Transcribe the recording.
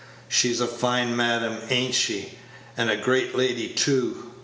She's a fine madam, a'n't she, and a great lady too?